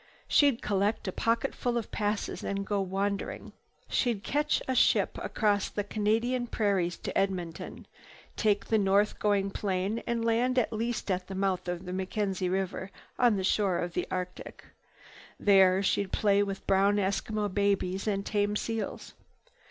She'd collect a pocketful of passes and go wandering. She'd catch a ship across the Canadian prairies to Edmonton, take the north going plane and land at last at the mouth of the Mackenzie River on the shore of the Arctic. There she'd play with brown Eskimo babies and tame seals.